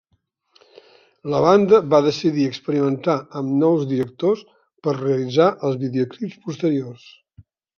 La banda va decidir experimentar amb nous directors per realitzar els videoclips posteriors.